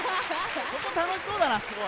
そこ楽しそうだなすごい。